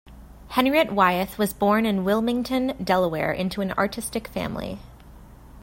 Henriette Wyeth was born in Wilmington, Delaware, into an artistic family.